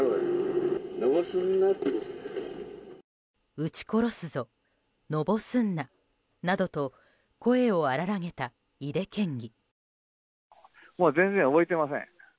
うち殺すぞ、のぼすんななどと声を荒らげた井手県議。